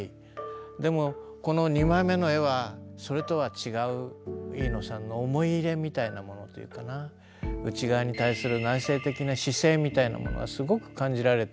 でもこの２枚目の絵はそれとは違う飯野さんの思い入れみたいなものというかな内側に対する内省的な姿勢みたいなものがすごく感じられて。